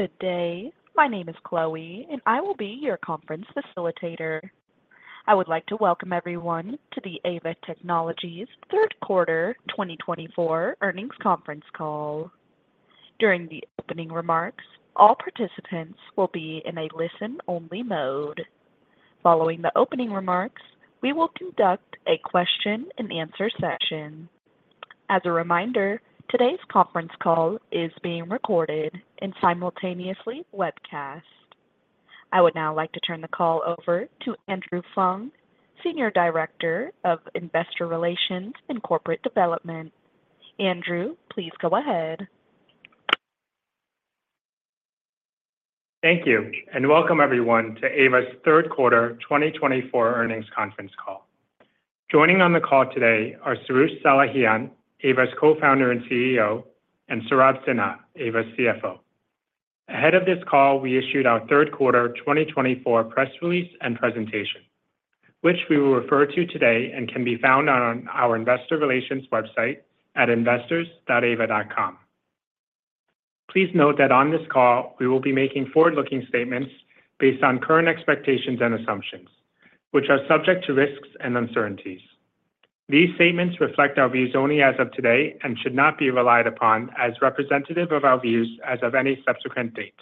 Good day. My name is Chloe, and I will be your conference facilitator. I would like to welcome everyone to the Aeva Technologies' Third Quarter 2024 Earnings Conference Call. During the opening remarks, all participants will be in a listen-only mode. Following the opening remarks, we will conduct a question-and-answer session. As a reminder, today's conference call is being recorded and simultaneously webcast. I would now like to turn the call over to Andrew Fung, Senior Director of Investor Relations and Corporate Development. Andrew, please go ahead. Thank you, and welcome everyone to Aeva's third quarter 2024 earnings conference call. Joining on the call today are Soroush Salehian, Aeva's Co-Founder and CEO, and Saurabh Sinha, Aeva's CFO. Ahead of this call, we issued our third quarter 2024 press release and presentation, which we will refer to today and can be found on our investor relations website at investors.aeva.com. Please note that on this call, we will be making forward-looking statements based on current expectations and assumptions, which are subject to risks and uncertainties. These statements reflect our views only as of today and should not be relied upon as representative of our views as of any subsequent date.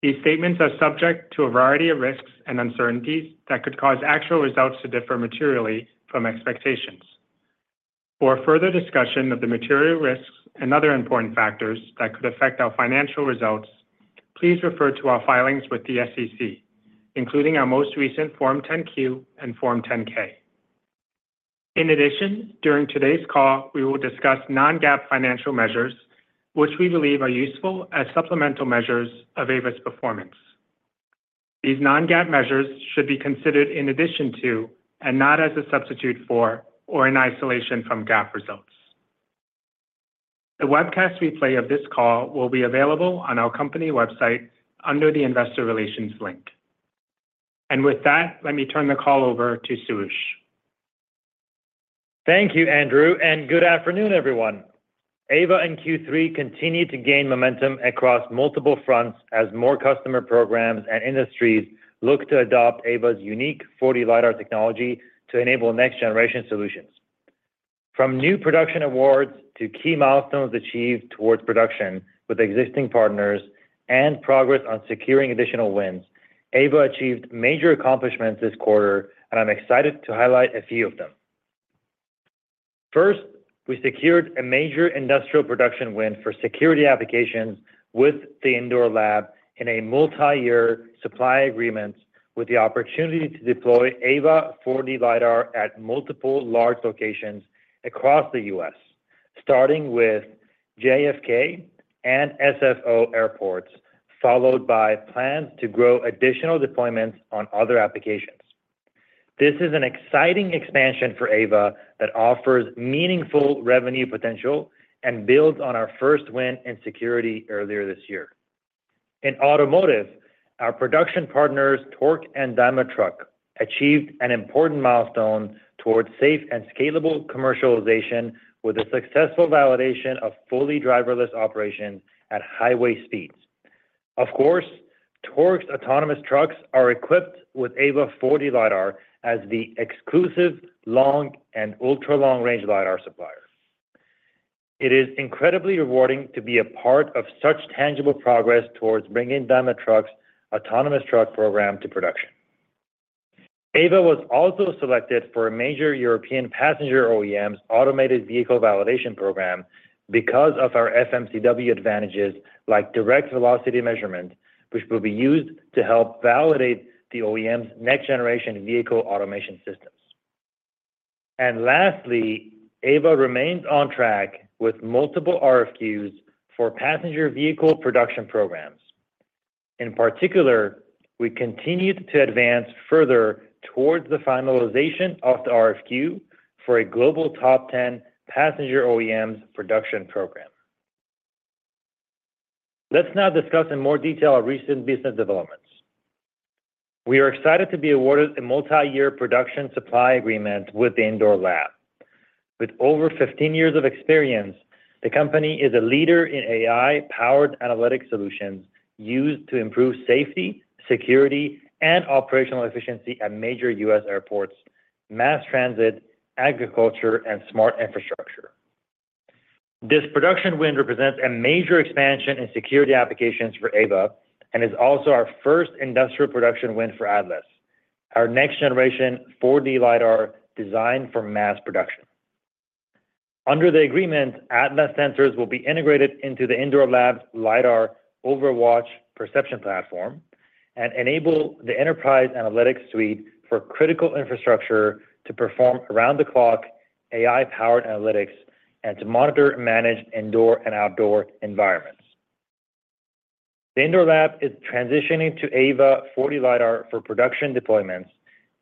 These statements are subject to a variety of risks and uncertainties that could cause actual results to differ materially from expectations. For further discussion of the material risks and other important factors that could affect our financial results, please refer to our filings with the SEC, including our most recent Form 10-Q and Form 10-K. In addition, during today's call, we will discuss non-GAAP financial measures, which we believe are useful as supplemental measures of Aeva's performance. These non-GAAP measures should be considered in addition to, and not as a substitute for, or in isolation from GAAP results. The webcast replay of this call will be available on our company website under the investor relations link, and with that, let me turn the call over to Soroush. Thank you, Andrew, and good afternoon, everyone. Aeva and Q3 continue to gain momentum across multiple fronts as more customer programs and industries look to adopt Aeva's unique 4D LiDAR technology to enable next-generation solutions. From new production awards to key milestones achieved towards production with existing partners and progress on securing additional wins, Aeva achieved major accomplishments this quarter, and I'm excited to highlight a few of them. First, we secured a major industrial production win for security applications with The Indoor Lab in a multi-year supply agreement with the opportunity to deploy Aeva 4D LiDAR at multiple large locations across the U.S., starting with JFK and SFO airports, followed by plans to grow additional deployments on other applications. This is an exciting expansion for Aeva that offers meaningful revenue potential and builds on our first win in security earlier this year. In automotive, our production partners, Torc and Daimler Truck, achieved an important milestone towards safe and scalable commercialization with the successful validation of fully driverless operation at highway speeds. Of course, Torc's autonomous trucks are equipped with Aeva 4D LiDAR as the exclusive long and ultra-long-range LiDAR supplier. It is incredibly rewarding to be a part of such tangible progress towards bringing Daimler Truck's autonomous truck program to production. Aeva was also selected for a major European passenger OEM's automated vehicle validation program because of our FMCW advantages like direct velocity measurement, which will be used to help validate the OEM's next-generation vehicle automation systems. Lastly, Aeva remains on track with multiple RFQs for passenger vehicle production programs. In particular, we continued to advance further towards the finalization of the RFQ for a global top 10 passenger OEM's production program. Let's now discuss in more detail our recent business developments. We are excited to be awarded a multi-year production supply agreement with The Indoor Lab. With over 15 years of experience, the company is a leader in AI-powered analytic solutions used to improve safety, security, and operational efficiency at major U.S. airports, mass transit, agriculture, and smart infrastructure. This production win represents a major expansion in security applications for Aeva and is also our first industrial production win for Atlas, our next-generation 4D LiDAR designed for mass production. Under the agreement, Atlas sensors will be integrated into The Indoor Lab's LiDAR Overwatch Perception Platform and enable the Enterprise Analytics Suite for critical infrastructure to perform around-the-clock AI-powered analytics and to monitor and manage indoor and outdoor environments. The Indoor Lab is transitioning to Aeva 4D LiDAR for production deployments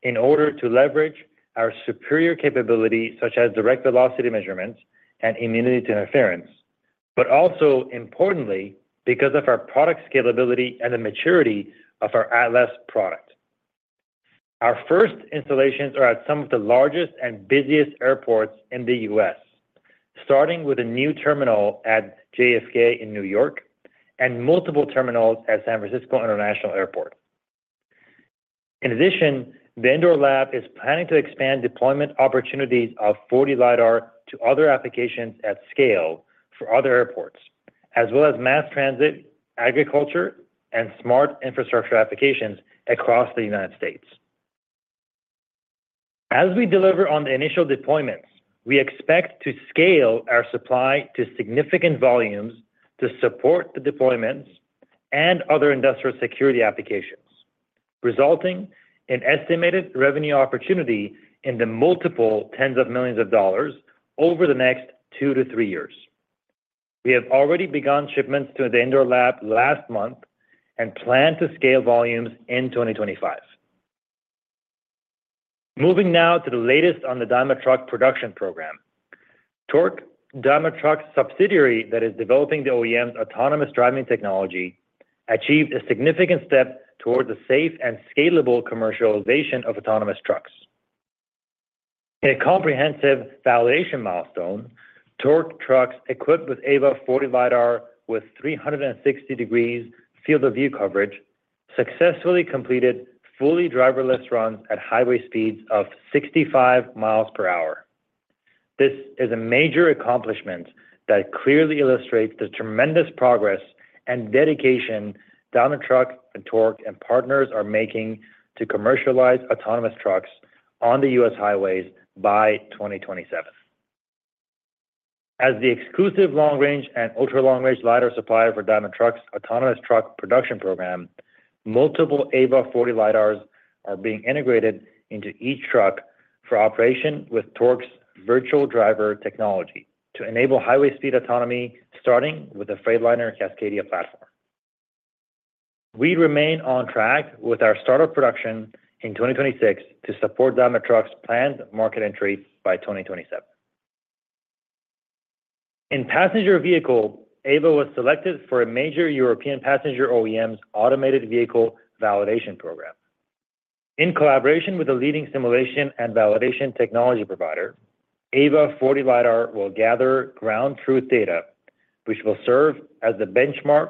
in order to leverage our superior capability such as direct velocity measurements and immunity to interference, but also importantly, because of our product scalability and the maturity of our Atlas product. Our first installations are at some of the largest and busiest airports in the U.S., starting with a new terminal at JFK in New York and multiple terminals at San Francisco International Airport. In addition, The Indoor Lab is planning to expand deployment opportunities of 4D LiDAR to other applications at scale for other airports, as well as mass transit, agriculture, and smart infrastructure applications across the United States. As we deliver on the initial deployments, we expect to scale our supply to significant volumes to support the deployments and other industrial security applications, resulting in estimated revenue opportunity in the multiple tens of millions of dollars over the next two to three years. We have already begun shipments to The Indoor Lab last month and plan to scale volumes in 2025. Moving now to the latest on the Daimler Truck production program. Torc Robotics, Daimler Truck's subsidiary that is developing the OEM's autonomous driving technology, achieved a significant step towards a safe and scalable commercialization of autonomous trucks. In a comprehensive validation milestone, Torc Robotics trucks equipped with Aeva 4D LiDAR with 360-degree field-of-view coverage successfully completed fully driverless runs at highway speeds of 65 miles per hour. This is a major accomplishment that clearly illustrates the tremendous progress and dedication Daimler Truck and Torc Robotics and partners are making to commercialize autonomous trucks on the U.S. highways by 2027. As the exclusive long-range and ultra-long-range LiDAR supplier for Daimler Truck's autonomous truck production program, multiple Aeva 4D LiDARs are being integrated into each truck for operation with Torc Robotics's Virtual Driver technology to enable highway speed autonomy starting with the Freightliner Cascadia platform. We remain on track with our startup production in 2026 to support Daimler Truck's planned market entry by 2027. In passenger vehicle, Aeva was selected for a major European passenger OEM's automated vehicle validation program. In collaboration with a leading simulation and validation technology provider, Aeva 4D LiDAR will gather ground truth data, which will serve as the benchmark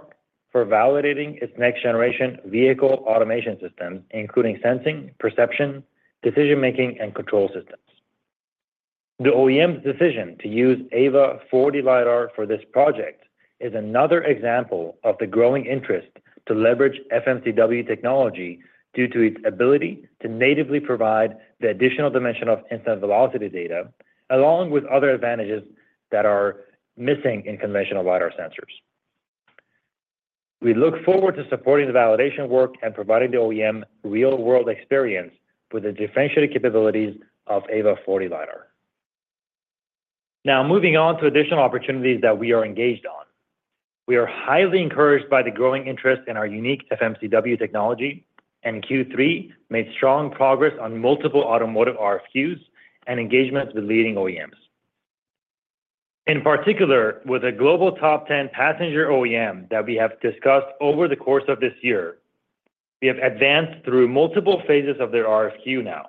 for validating its next-generation vehicle automation systems, including sensing, perception, decision-making, and control systems. The OEM's decision to use Aeva 4D LiDAR for this project is another example of the growing interest to leverage FMCW technology due to its ability to natively provide the additional dimension of instant velocity data, along with other advantages that are missing in conventional LiDAR sensors. We look forward to supporting the validation work and providing the OEM real-world experience with the differentiated capabilities of Aeva 4D LiDAR. Now, moving on to additional opportunities that we are engaged on. We are highly encouraged by the growing interest in our unique FMCW technology, and Q3 made strong progress on multiple automotive RFQs and engagements with leading OEMs. In particular, with a global top 10 passenger OEM that we have discussed over the course of this year, we have advanced through multiple phases of their RFQ now,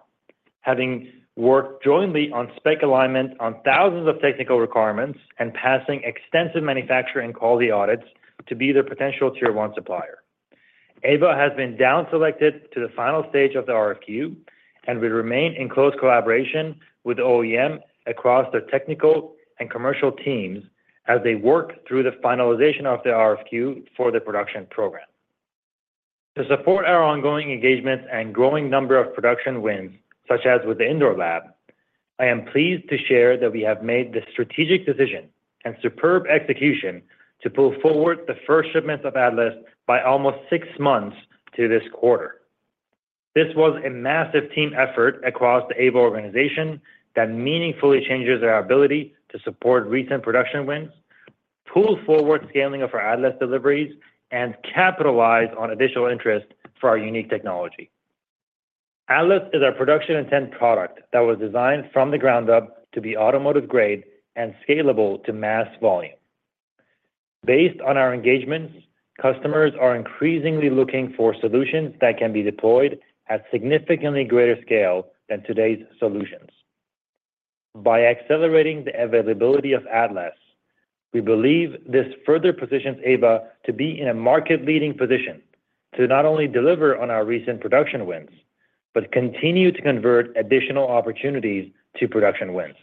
having worked jointly on spec alignment on thousands of technical requirements and passing extensive manufacturer and quality audits to be their potential tier-one supplier. Aeva has been down-selected to the final stage of the RFQ and will remain in close collaboration with OEM across their technical and commercial teams as they work through the finalization of the RFQ for the production program. To support our ongoing engagements and growing number of production wins, such as with The Indoor Lab, I am pleased to share that we have made the strategic decision and superb execution to pull forward the first shipments of Atlas by almost six months to this quarter. This was a massive team effort across the Aeva organization that meaningfully changes our ability to support recent production wins, pull forward scaling of our Atlas deliveries, and capitalize on additional interest for our unique technology. Atlas is our production intent product that was designed from the ground up to be automotive-grade and scalable to mass volume. Based on our engagements, customers are increasingly looking for solutions that can be deployed at significantly greater scale than today's solutions. By accelerating the availability of Atlas, we believe this further positions Aeva to be in a market-leading position to not only deliver on our recent production wins, but continue to convert additional opportunities to production wins.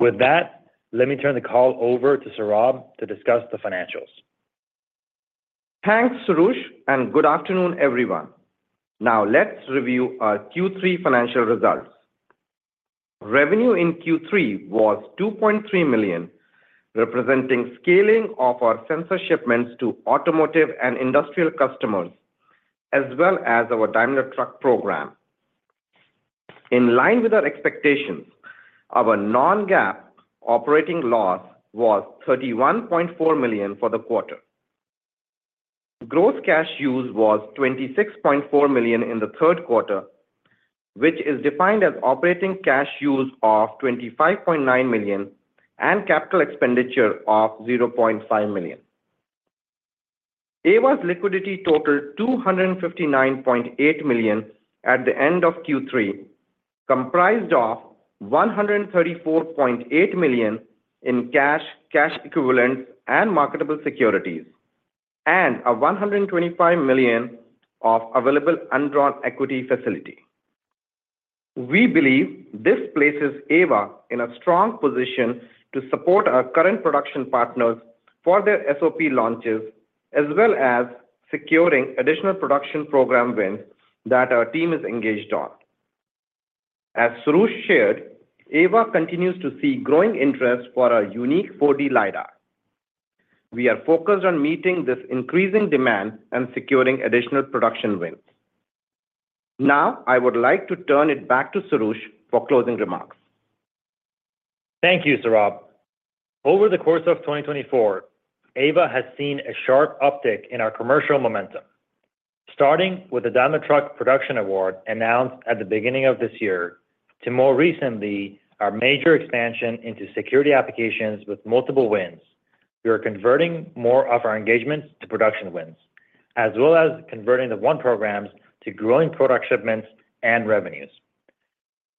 With that, let me turn the call over to Saurabh to discuss the financials. Thanks, Soroush, and good afternoon, everyone. Now, let's review our Q3 financial results. Revenue in Q3 was $2.3 million, representing scaling of our sensor shipments to automotive and industrial customers, as well as our Daimler Truck program. In line with our expectations, our non-GAAP operating loss was $31.4 million for the quarter. Gross cash used was $26.4 million in the third quarter, which is defined as operating cash used of $25.9 million and capital expenditure of $0.5 million. Aeva's liquidity totaled $259.8 million at the end of Q3, comprised of $134.8 million in cash, cash equivalents, and marketable securities, and $125 million of available undrawn equity facility. We believe this places Aeva in a strong position to support our current production partners for their SOP launches, as well as securing additional production program wins that our team is engaged on. As Saurabh shared, Aeva continues to see growing interest for our unique 4D LiDAR. We are focused on meeting this increasing demand and securing additional production wins. Now, I would like to turn it back to Soroush for closing remarks. Thank you, Saurabh. Over the course of 2024, Aeva has seen a sharp uptick in our commercial momentum, starting with the Daimler Truck production award announced at the beginning of this year to more recently our major expansion into security applications with multiple wins. We are converting more of our engagements to production wins, as well as converting the ongoing programs to growing product shipments and revenues.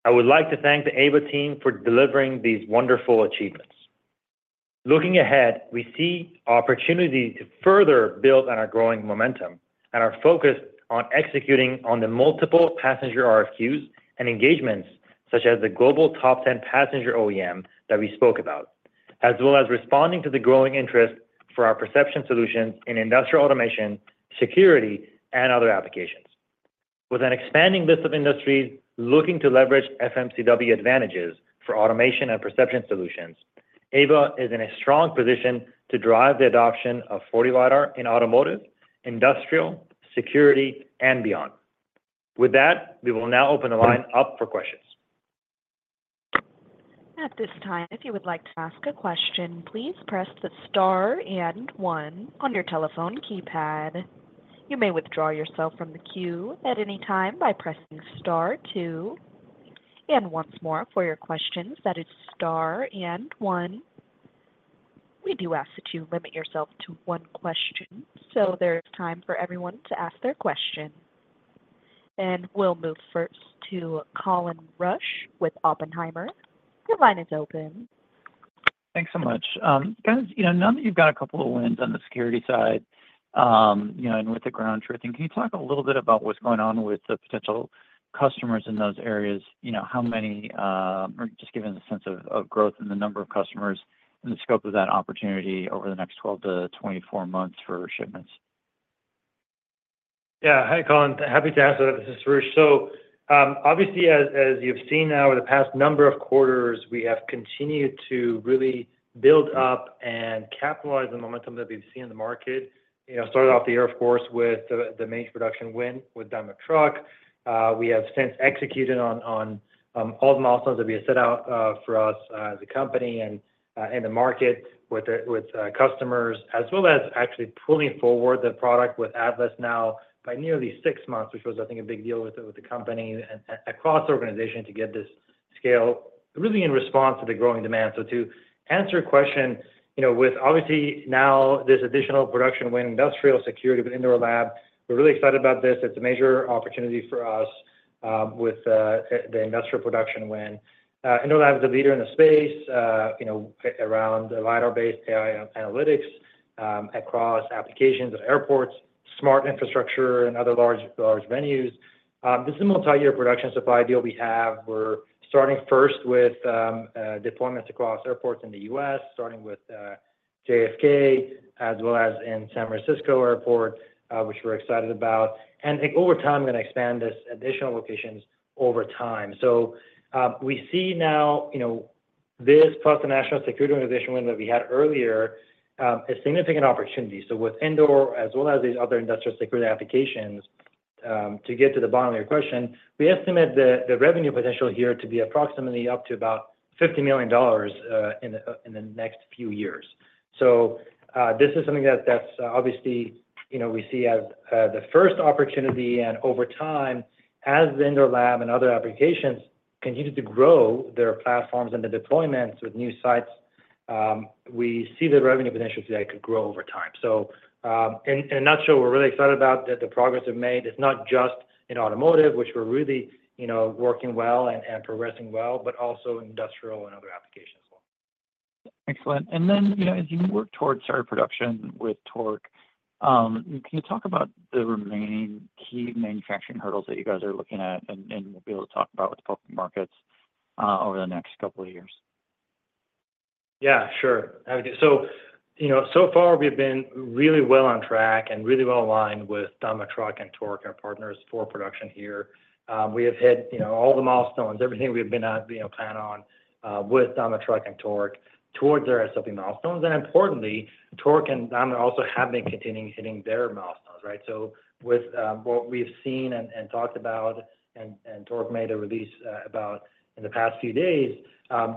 I would like to thank the Aeva team for delivering these wonderful achievements. Looking ahead, we see opportunity to further build on our growing momentum and our focus on executing on the multiple passenger RFQs and engagements such as the global top 10 passenger OEM that we spoke about, as well as responding to the growing interest for our perception solutions in industrial automation, security, and other applications. With an expanding list of industries looking to leverage FMCW advantages for automation and perception solutions, Aeva is in a strong position to drive the adoption of 4D LiDAR in automotive, industrial, security, and beyond. With that, we will now open the line up for questions. At this time, if you would like to ask a question, please press the star and one on your telephone keypad. You may withdraw yourself from the queue at any time by pressing star two. And once more, for your questions, that is star and one. We do ask that you limit yourself to one question so there is time for everyone to ask their question. And we'll move first to Colin Rusch with Oppenheimer. Your line is open. Thanks so much. Now that you've got a couple of wins on the security side and with the ground truthing, can you talk a little bit about what's going on with the potential customers in those areas? How many, or just giving a sense of growth in the number of customers and the scope of that opportunity over the next 12 to 24 months for shipments? Yeah. Hi, Colin. Happy to ask that. This is Soroush. So obviously, as you've seen now over the past number of quarters, we have continued to really build up and capitalize on the momentum that we've seen in the market. Started off the year, of course, with the major production win with Daimler Truck. We have since executed on all the milestones that we had set out for us as a company and the market with customers, as well as actually pulling forward the product with Atlas now by nearly six months, which was, I think, a big deal with the company and across the organization to get this scale really in response to the growing demand. So to answer your question, with obviously now this additional production win, industrial security with The Indoor Lab, we're really excited about this. It's a major opportunity for us with the industrial production win. Indoor Lab is a leader in the space around LiDAR-based AI analytics across applications at airports, smart infrastructure, and other large venues. This is a multi-year production supply deal we have. We're starting first with deployments across airports in the U.S., starting with JFK, as well as in San Francisco Airport, which we're excited about, and over time, we're going to expand this to additional locations over time. We see now this plus the national security organization win that we had earlier is a significant opportunity. With the Indoor Lab, as well as these other industrial security applications, to get to the bottom of your question, we estimate the revenue potential here to be approximately up to about $50 million in the next few years. This is something that obviously we see as the first opportunity. And over time, as The Indoor Lab and other applications continue to grow their platforms and the deployments with new sites, we see the revenue potential today could grow over time. So in a nutshell, we're really excited about the progress we've made. It's not just in automotive, which we're really working well and progressing well, but also industrial and other applications as well. Excellent. And then as you work towards our production with Torc, can you talk about the remaining key manufacturing hurdles that you guys are looking at and will be able to talk about with the public markets over the next couple of years? Yeah, sure. So far, we have been really well on track and really well aligned with Daimler Truck and Torc, our partners for production here. We have hit all the milestones, everything we've been planning on with Daimler Truck and Torc towards their SOP milestones. And importantly, Torc and Daimler also have been continuing hitting their milestones, right? So with what we've seen and talked about, and Torc made a release about in the past few days,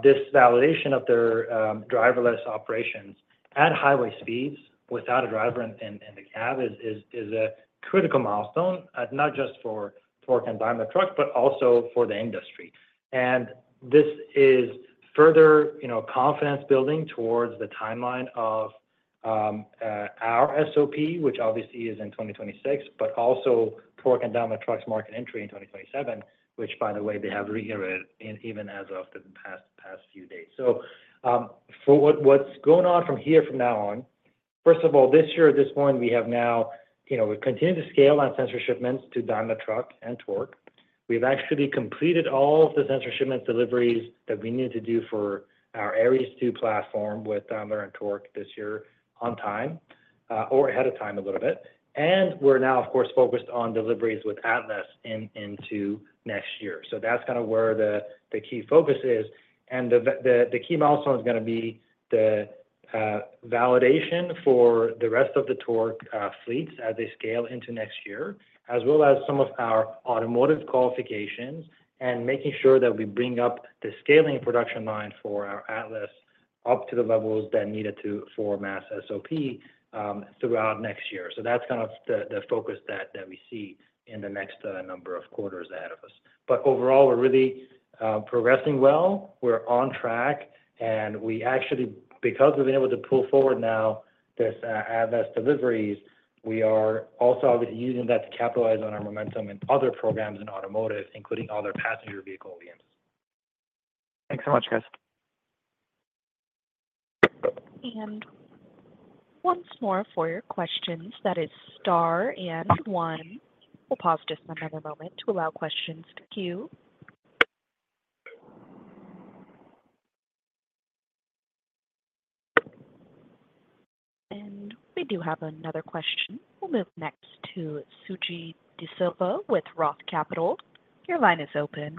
this validation of their driverless operations at highway speeds without a driver in the cab is a critical milestone, not just for Torc and Daimler Truck, but also for the industry. And this is further confidence building towards the timeline of our SOP, which obviously is in 2026, but also Torc and Daimler Truck's market entry in 2027, which, by the way, they have reiterated even as of the past few days. So what's going on from here from now on? First of all, this year, at this point, we have now continued to scale on sensor shipments to Daimler Truck and Torc Robotics. We've actually completed all of the sensor shipments deliveries that we needed to do for our Aeries II platform with Daimler Truck and Torc Robotics this year on time or ahead of time a little bit. And we're now, of course, focused on deliveries with Atlas into next year. So that's kind of where the key focus is. And the key milestone is going to be the validation for the rest of the Torc Robotics fleets as they scale into next year, as well as some of our automotive qualifications and making sure that we bring up the scaling production line for our Atlas up to the levels that needed for mass SOP throughout next year. So that's kind of the focus that we see in the next number of quarters ahead of us. But overall, we're really progressing well. We're on track. And we actually, because we've been able to pull forward now this Atlas deliveries, we are also obviously using that to capitalize on our momentum in other programs in automotive, including other passenger vehicle OEMs. Thanks so much, guys. And once more for your questions, that is star and one. We'll pause just another moment to allow questions to queue. And we do have another question. We'll move next to Suji Desilva with Roth Capital. Your line is open.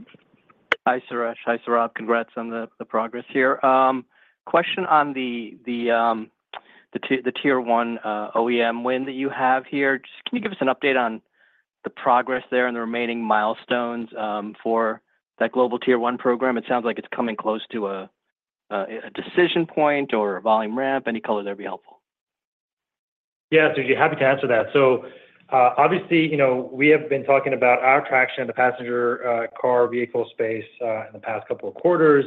Hi, Saurabh. Hi, Soroush. Congrats on the progress here. Question on the tier-one OEM win that you have here. Just can you give us an update on the progress there and the remaining milestones for that global tier-one program? It sounds like it's coming close to a decision point or a volume ramp. Any color there would be helpful. Yeah, Suji, happy to answer that. So obviously, we have been talking about our traction in the passenger car vehicle space in the past couple of quarters.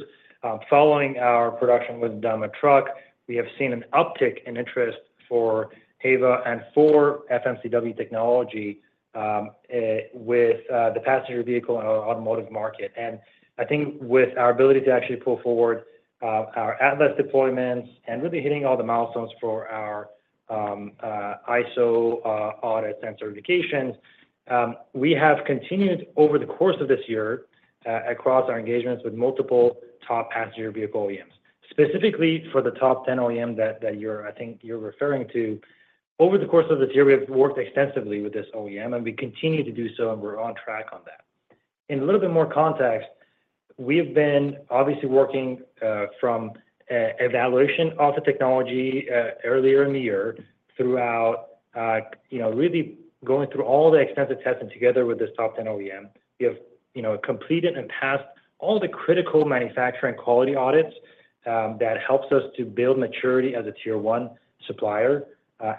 Following our production with Daimler Truck, we have seen an uptick in interest for Aeva and for FMCW technology with the passenger vehicle and automotive market. And I think with our ability to actually pull forward our Atlas deployments and really hitting all the milestones for our ISO audits and certifications, we have continued over the course of this year across our engagements with multiple top passenger vehicle OEMs. Specifically for the top 10 OEM that I think you're referring to, over the course of this year, we have worked extensively with this OEM, and we continue to do so, and we're on track on that. In a little bit more context, we have been obviously working from evaluation of the technology earlier in the year throughout really going through all the extensive testing together with this top 10 OEM. We have completed and passed all the critical manufacturing quality audits that helps us to build maturity as a tier-one supplier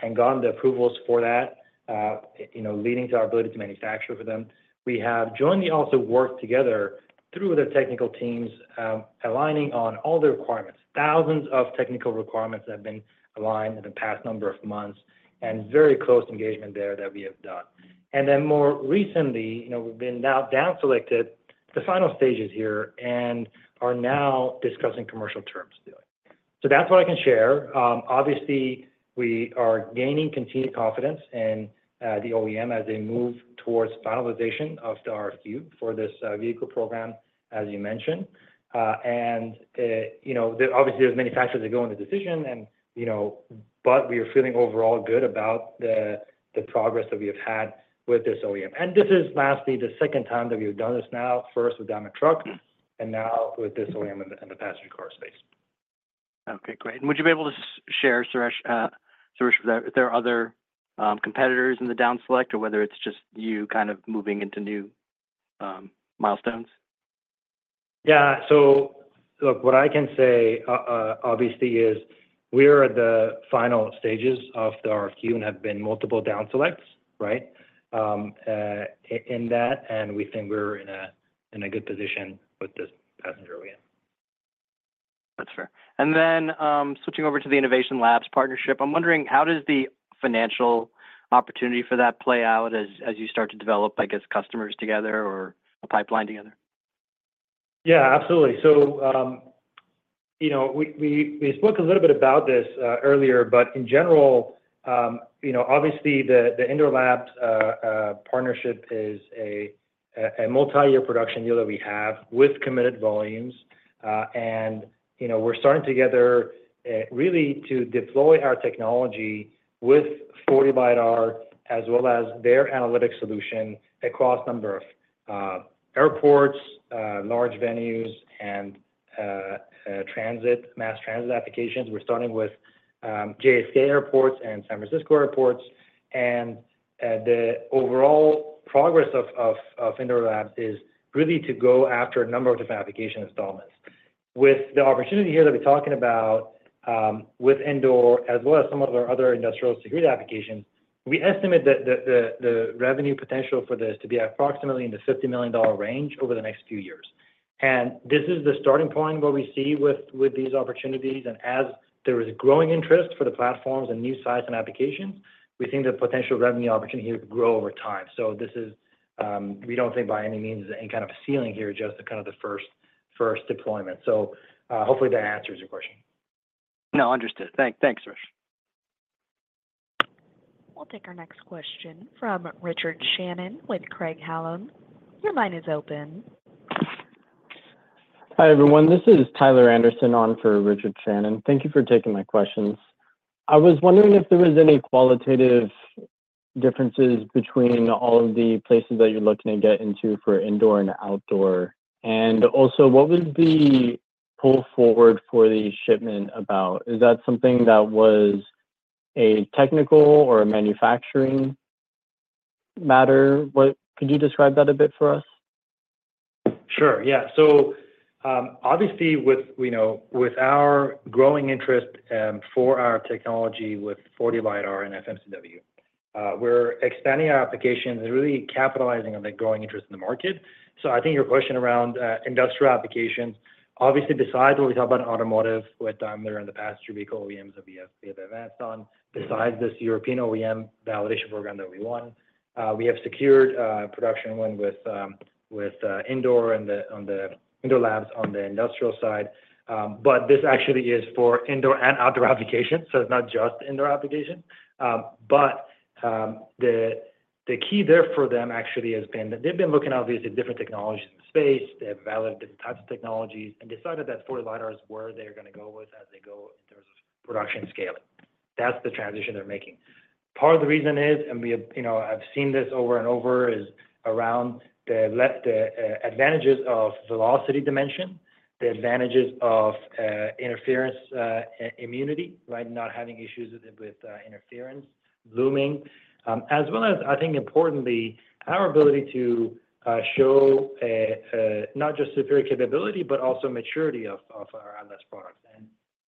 and gotten the approvals for that, leading to our ability to manufacture for them. We have jointly also worked together through the technical teams, aligning on all the requirements. Thousands of technical requirements have been aligned in the past number of months and very close engagement there that we have done. And then more recently, we've been now down-selected to the final stages here and are now discussing commercial terms dealing. So that's what I can share. Obviously, we are gaining continued confidence in the OEM as they move towards finalization of the RFQ for this vehicle program, as you mentioned. And obviously, there's many factors that go into the decision, but we are feeling overall good about the progress that we have had with this OEM. And this is lastly the second time that we have done this now, first with Daimler Truck and now with this OEM in the passenger car space. Okay, great. And would you be able to share, Soroush, if there are other competitors in the down-select or whether it's just you kind of moving into new milestones? Yeah. So look, what I can say obviously is we are at the final stages of the RFQ and have been multiple down-selects, right, in that. And we think we're in a good position with this passenger OEM. That's fair. And then switching over to the Indoor Lab partnership, I'm wondering how does the financial opportunity for that play out as you start to develop, I guess, customers together or a pipeline together? Yeah, absolutely. So we spoke a little bit about this earlier, but in general, obviously, The Indoor Lab partnership is a multi-year production deal that we have with committed volumes. We're starting together really to deploy our technology with 4D LiDAR, as well as their analytics solution across a number of airports, large venues, and mass transit applications. We're starting with JFK airports and San Francisco airports. The overall progress of The Indoor Lab is really to go after a number of different application installations. With the opportunity here that we're talking about with The Indoor Lab, as well as some of our other industrial security applications, we estimate that the revenue potential for this to be approximately in the $50 million range over the next few years. This is the starting point where we see with these opportunities. And as there is growing interest for the platforms and new sites and applications, we think the potential revenue opportunity here will grow over time. So we don't think by any means there's any kind of a ceiling here, just kind of the first deployment. So hopefully that answers your question. No, understood. Thanks, Soroush. We'll take our next question from Richard Shannon with Craig-Hallum. Your line is open. Hi everyone. This is Tyler Anderson on for Richard Shannon. Thank you for taking my questions. I was wondering if there were any qualitative differences between all of the places that you're looking to get into for indoor and outdoor, and also, what was the pull forward for the shipment about? Is that something that was a technical or a manufacturing matter? Could you describe that a bit for us? Sure. Yeah. So obviously, with our growing interest for our technology with 4D LiDAR and FMCW, we're expanding our applications and really capitalizing on the growing interest in the market. So I think your question around industrial applications, obviously, besides what we talk about in automotive with Daimler Truck and the passenger vehicle OEMs that we have advanced on, besides this European OEM validation program that we won, we have secured production win with Indoor Lab on the industrial side. But this actually is for indoor and outdoor applications. So it's not just indoor applications. But the key there for them actually has been that they've been looking obviously at different technologies in the space. They've validated different types of technologies and decided that 4D LiDARs were where they're going to go with as they go in terms of production scaling. That's the transition they're making. Part of the reason is, and I've seen this over and over, is around the advantages of velocity dimension, the advantages of interference immunity, right, not having issues with interference looming, as well as, I think, importantly, our ability to show not just superior capability, but also maturity of our Atlas products,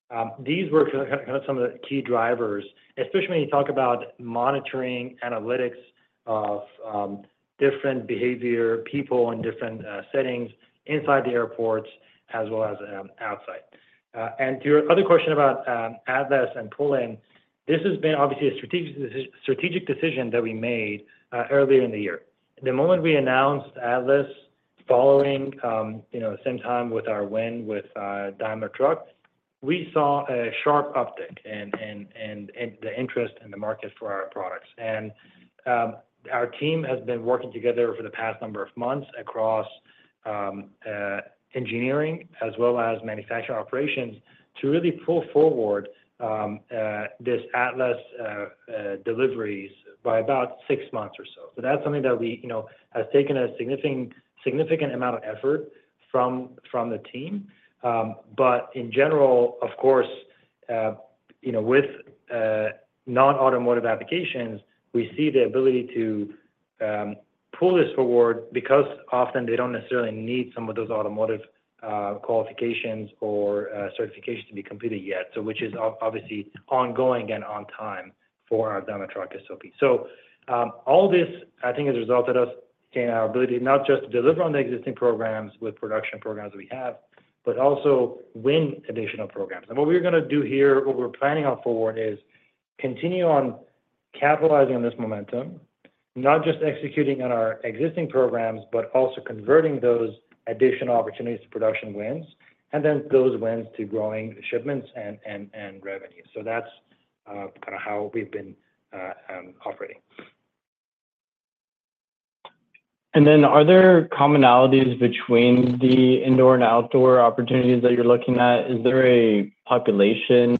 and these were kind of some of the key drivers, especially when you talk about monitoring analytics of different behavior people in different settings inside the airports as well as outside, and to your other question about Atlas and Pullen, this has been obviously a strategic decision that we made earlier in the year. The moment we announced Atlas following the same time with our win with Daimler Truck, we saw a sharp uptick in the interest in the market for our products. Our team has been working together for the past number of months across engineering as well as manufacturing operations to really pull forward this Atlas deliveries by about six months or so. That's something that has taken a significant amount of effort from the team. In general, of course, with non-automotive applications, we see the ability to pull this forward because often they don't necessarily need some of those automotive qualifications or certifications to be completed yet, which is obviously ongoing and on time for our Daimler Truck SOP. All this, I think, has resulted us in our ability not just to deliver on the existing programs with production programs that we have, but also win additional programs. What we're going to do here, what we're planning on forward, is continue on capitalizing on this momentum, not just executing on our existing programs, but also converting those additional opportunities to production wins and then those wins to growing shipments and revenue. That's kind of how we've been operating. And then are there commonalities between the indoor and outdoor opportunities that you're looking at? Is there a population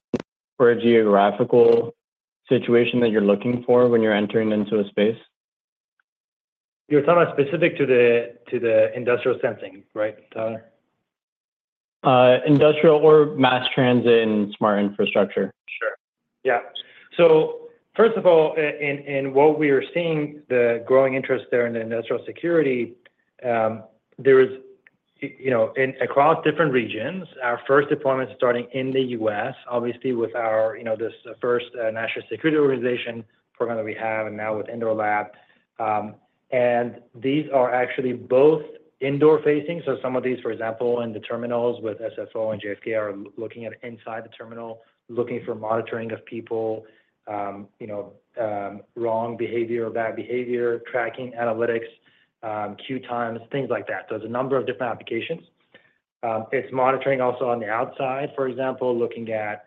or a geographical situation that you're looking at when you're entering into a space? You're talking about specific to the industrial sensing, right, Tyler? Industrial or mass transit and smart infrastructure. Sure. Yeah. So first of all, in what we are seeing, the growing interest there in the industrial security, there is across different regions, our first deployment starting in the U.S., obviously with this first national security organization program that we have and now with The Indoor Lab, and these are actually both indoor facing, so some of these, for example, in the terminals with SFO and JFK are looking at inside the terminal, looking for monitoring of people, wrong behavior or bad behavior, tracking analytics, queue times, things like that, so there's a number of different applications. It's monitoring also on the outside, for example, looking at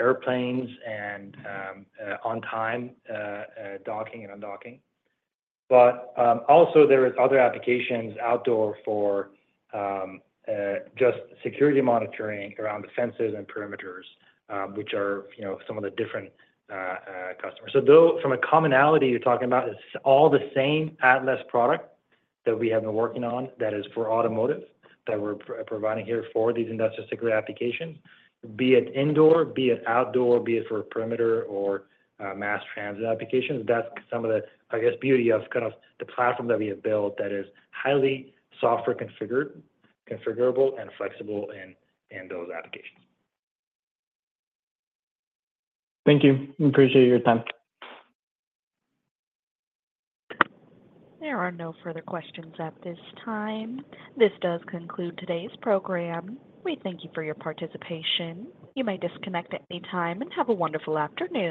airplanes and on-time docking and undocking, but also there are other applications outdoor for just security monitoring around defenses and perimeters, which are some of the different customers. From a commonality you're talking about, it's all the same Atlas product that we have been working on that is for automotive that we're providing here for these industrial security applications, be it indoor, be it outdoor, be it for perimeter or mass transit applications. That's some of the, I guess, beauty of kind of the platform that we have built that is highly software configurable and flexible in those applications. Thank you. Appreciate your time. There are no further questions at this time. This does conclude today's program. We thank you for your participation. You may disconnect at any time and have a wonderful afternoon.